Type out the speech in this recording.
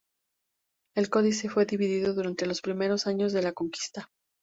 El códice fue dividido durante los primeros años de la conquista.